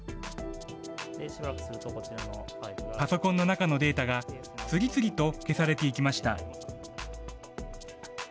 パソコンの中のデータが次々と消されていきました。